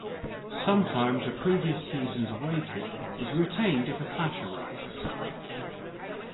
Sometimes, a previous season's away kit is retained if a clash arises.